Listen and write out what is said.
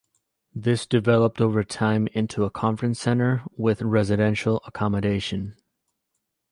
This developed over time into a Conference Centre with residential accommodation.